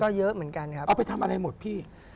ก็เยอะเหมือนกันครับเอาไปทำอะไรหมดพี่